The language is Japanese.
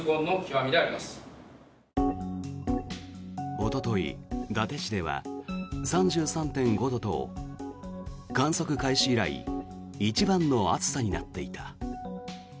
おととい、伊達市では３３．５度と観測開始以来一番の暑さになっていた。